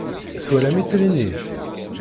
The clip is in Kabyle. Twalam itri-nni?